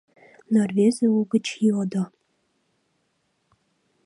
Но рвезе угыч йодо: